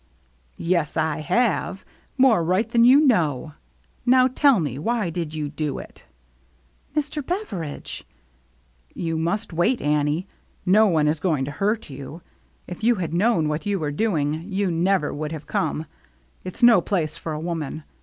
" Yes I have, more right than you know. Now tell me, why did you do it?" "Mr. Beveridge —"" You must wait, Annie. No one is going to hurt you. If you had known what you were doing, you never would have come. It's no place for a woman.